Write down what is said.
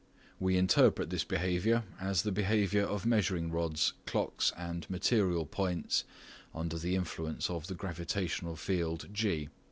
We interpret this behaviour as the behaviour of measuring rods, docks and material points tinder the influence of the gravitational field G.